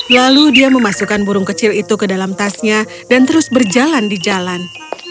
lalu dia memasukkan burung kecil itu ke dalam tasnya dan terus berjalan di jalan